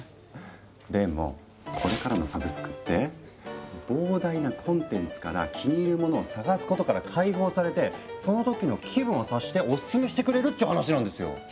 でもこれからのサブスクって膨大なコンテンツから気に入るものを探すことから解放されてその時の気分を察してオススメしてくれるって話なんですよ。え？